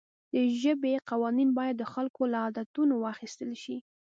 د ژبې قوانین باید د خلکو له عادتونو واخیستل شي.